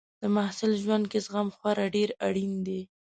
د محصل ژوند کې زغم خورا ډېر اړین دی.